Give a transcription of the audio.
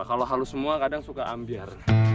kalau halus semua kadang suka ambiar